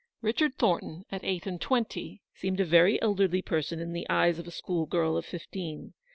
Richard Thornton, at eight and twenty, seemed a very elderly person in the eyes of the school girl of fifteen.